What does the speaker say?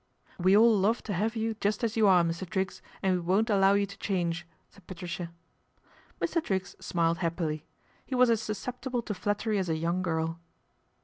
" We all love to have you just as you are, Mr. Triggs, and we won't allow you to change," said Patricia. Mr. Triggs smiled happily. He was as sus ceptible to flattery as a young girl.